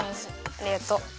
ありがとう！